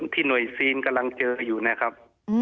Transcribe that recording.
หน่วยซีนกำลังเจออยู่นะครับ